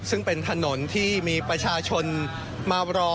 ซึ่งเป็นถนนที่มีประชาชนมารอ